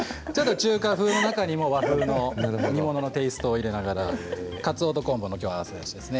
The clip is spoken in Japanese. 中華風の中にも和風のテーストを入れながらかつおと昆布のだしですね。